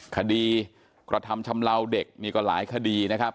กระทำชำลาวเด็กนี่ก็หลายคดีนะครับ